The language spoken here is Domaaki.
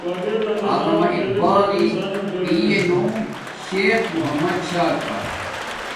علامہ اقبال یݵ پیے نوم شیخ محمد چھا کا